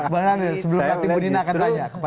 bang daniel sebelum nanti budina akan tanya